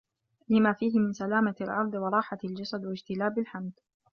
لِمَا فِيهِ مِنْ سَلَامَةِ الْعِرْضِ وَرَاحَةِ الْجَسَدِ وَاجْتِلَابِ الْحَمْدِ